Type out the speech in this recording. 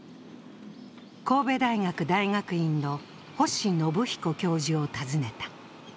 神戸大学大学院の星信彦教授を訪ねた。